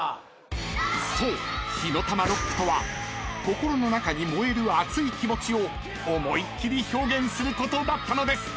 ［そう火の玉ロックとは心の中に燃える熱い気持ちを思いっきり表現することだったのです］